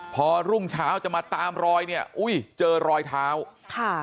พอรุ่งเช้าจะมาตามรอยเนี่ยอุ้ยเจอรอยเท้าค่ะ